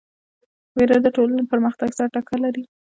وېره د ټولنې له پرمختګ سره ټکر لري.